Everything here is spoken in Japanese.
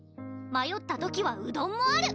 まよった時はうどんもある！